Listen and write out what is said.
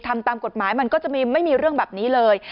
ทำตามกฎหมายมันก็จะไม่มีเรื่องแบบนี้เลย